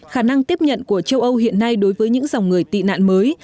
khả năng tiếp nhận của châu âu hiện nay đối với những dòng người tị nạn mới